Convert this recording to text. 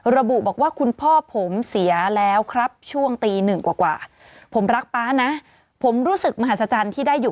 ระบุบอกว่าคุณพ่อผมเสียแล้วครับช่วงตีหนึ่งกว่าผมรักป๊านะผมรู้สึกมหัศจรรย์ที่ได้อยู่